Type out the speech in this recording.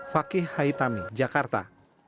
fakih haitami jakarta